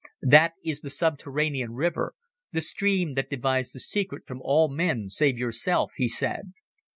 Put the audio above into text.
"That is the subterranean river, the stream that divides the secret from all men save yourself," he said.